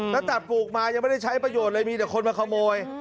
ตั้งแต่ปลูกมายังไม่ได้ใช้ประโยชน์เลยมีแต่คนมาขโมย